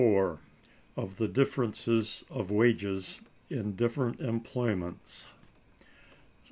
Of The Differences Of Wages In Different Employments.